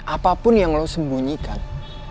apapun yang lo sembunyikan